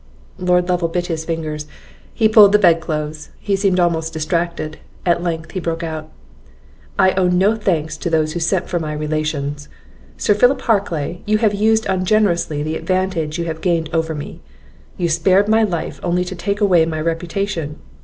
Lord Lovel bit his fingers, he pulled the bed clothes, he seemed almost distracted; at length he broke out "I owe no thanks to those who sent for my relations! Sir Philip Harclay, you have used ungenerously the advantage you have gained over me! you spared my life, only to take away my reputation.